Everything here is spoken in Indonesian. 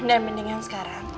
dan mendingan sekarang